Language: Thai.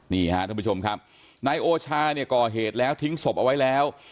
นายโอชาก่อเหตุแล้วทิ้งศพเอาไว้แล้ว